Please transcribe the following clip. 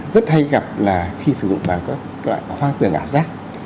rất hay gặp là khi sử dụng bằng các loại hoang tường ảo giác